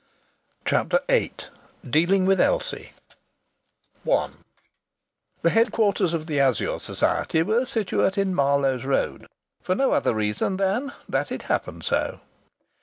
CHAPTER VIII DEALING WITH ELSIE I The headquarters of the Azure Society were situate in Marloes Road for no other reason than that it happened so.